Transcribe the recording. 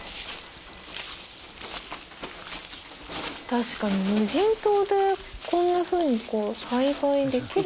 確かに無人島でこんなふうに栽培できる。